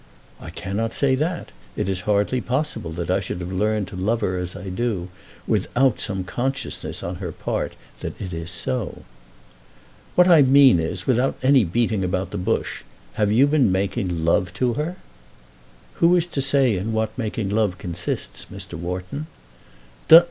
"I cannot say that. It is hardly possible that I should have learned to love her as I do without some consciousness on her part that it is so." "What I mean is, without any beating about the bush, have you been making love to her?" "Who is to say in what making love consists, Mr. Wharton?"